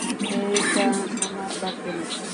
এটা আমার লাগবে না।